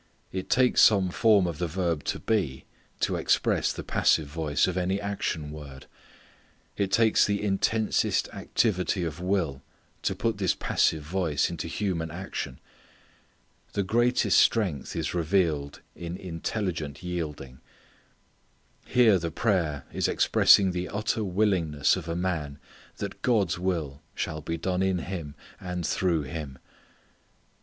It takes some form of the verb to be to express the passive voice of any action word. It takes the intensest activity of will to put this passive voice into human action. The greatest strength is revealed in intelligent yielding. Here the prayer is expressing the utter willingness of a man that God's will shall be done in him, and through him.